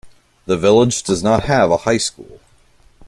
The village does not have a high school.